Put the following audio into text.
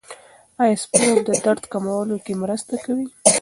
آیا سپورت د درد کمولو کې مرسته کوي؟